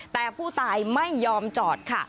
แต่ผู้ตายไม่ยอมจอดค่ะ